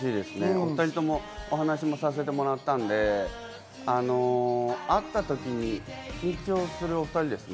お２人ともお話しさせてもらったんで、会った時に緊張するお２人ですね。